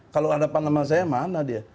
kalau ada panaman saya mana dia